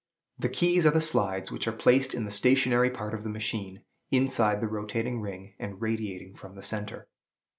The keys are the slides, which are placed in the stationary part of the machine, inside the rotating ring, and radiating from the centre.